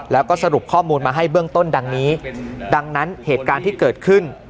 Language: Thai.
แล้วก็สรุปข้อมูลมาให้เบื้องต้นดังนี้ดังนั้นเหตุการณ์ที่เกิดขึ้น